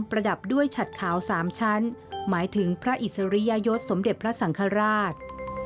ระดับด้วยฉัดขาว๓ชั้นหมายถึงพระอิสริยยศสมเด็จพระสังฆราช